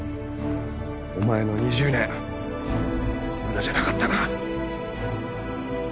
お前の２０年無駄じゃなかったな。